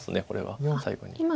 これは最後に。